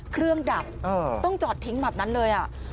เครื่องดับต้องจอดทิ้งแบบนั้นเลย